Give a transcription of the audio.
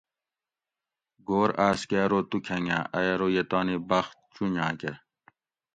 گھور آس کہ ارو تو کھۤنگہ ائ ارو یہ تانی بخت چونجاۤکہ